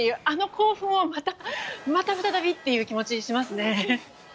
あの興奮を、また再びという気持ちがしますね。